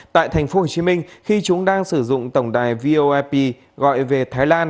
tại thành phố hồ chí minh khi chúng đang sử dụng tổng đài voip gọi về thái lan